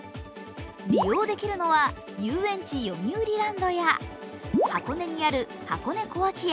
利用できるのは遊園地よみうりランドや箱根にある箱根小涌園